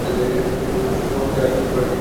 কিন্তু ছাত্রাবস্থায় রাজনীতি করেন নাই।